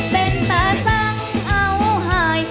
เป็นตาสังเอาหาย